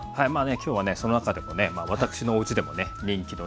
今日はねその中でもね私のおうちでもね人気のね